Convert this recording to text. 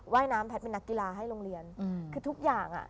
ว่ายน้ำแพทย์เป็นนักกีฬาให้โรงเรียนคือทุกอย่างอ่ะ